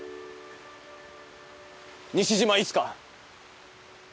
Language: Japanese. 西島いつか！